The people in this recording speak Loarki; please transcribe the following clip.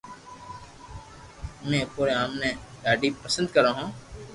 امو آپري مان ني ڌاڌي پسند ڪرو ھون